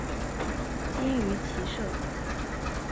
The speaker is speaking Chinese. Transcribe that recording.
精于骑射。